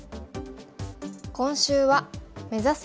今週は「目指せ！